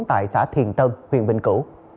tại xã thiền tân huyền bình cụ